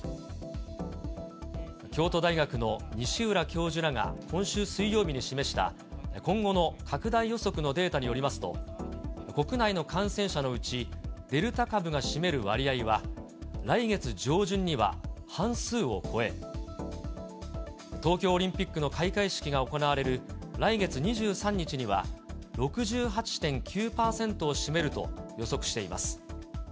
京都大学の西浦教授らが今週水曜日に示した今後の拡大予測のデータによりますと、国内の感染者のうち、デルタ株が占める割合は、来月上旬には半数を超え、東京オリンピックの開会式が行われる来月２３日には、６８．９％を占めると予測しています。